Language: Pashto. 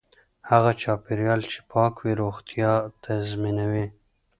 هغه چاپیریال چې پاک وي روغتیا تضمینوي.